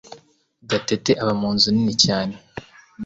Gatete aba munzu nini cyane